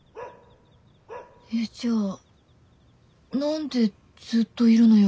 えっじゃあ何でずっといるのよ